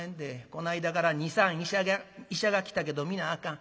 こないだから２３医者が来たけど皆あかん。